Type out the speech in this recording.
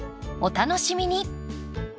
お楽しみに。